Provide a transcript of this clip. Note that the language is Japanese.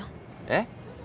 えっ？